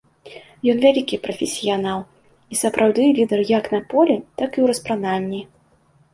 Ён вялікі прафесіянал і сапраўдны лідар як на полі, так і ў распранальні.